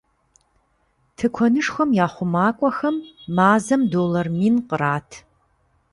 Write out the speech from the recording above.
Тыкуэнышхуэм я хъумакӏуэхэм мазэм доллар мин кърат.